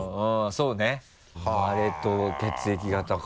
そうね生まれと血液型か。